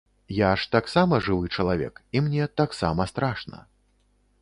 Я ж таксама жывы чалавек, і мне таксама страшна.